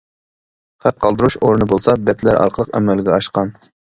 خەت قالدۇرۇش ئورنى بولسا «بەتلەر» ئارقىلىق ئەمەلگە ئاشقان.